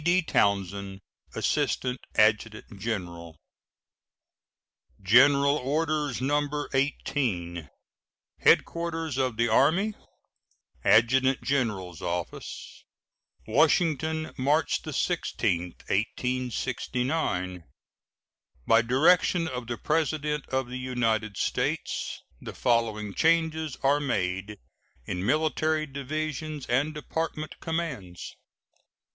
D. TOWNSEND, Assistant Adjutant General. GENERAL ORDERS, No. 18. HEADQUARTERS OF THE ARMY, ADJUTANT GENERAL'S OFFICE, Washington, March 16, 1869. By direction of the President of the United States, the following changes are made in military divisions and department commands: I.